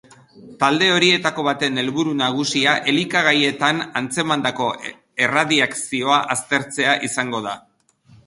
Talde horietako baten helburu nagusia elikagaietan antzemandako erradiakzioa aztertzea izango da.